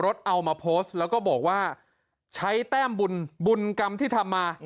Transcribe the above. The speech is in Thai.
รถเอามาแล้วก็บอกว่าใช้แท้มบุนบุนกรรมที่ทำมาได้